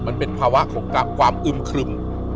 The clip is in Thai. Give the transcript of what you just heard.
มันเป็นภาวะของความอึมครึม